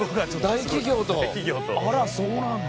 大企業とあらそうなんですね。